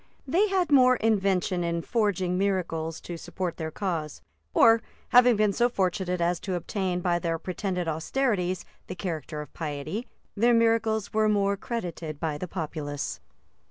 [] They had more invention in forging miracles to support their cause; or having been so fortunate as to obtain, by their pretended austerities, the character of piety, their miracles were more credited by the populace.